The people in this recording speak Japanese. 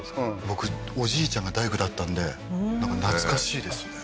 僕おじいちゃんが大工だったんでなんか懐かしいですね